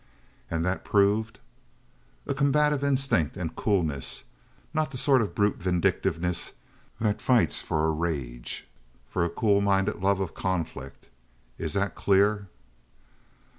"And that proved?" "A combative instinct, and coolness; not the sort of brute vindictiveness that fights for a rage, for a cool minded love of conflict. Is that clear?"